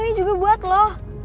ini juga buat lo